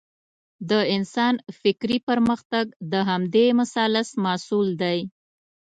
د انسان فکري پرمختګ د همدې مثلث محصول دی.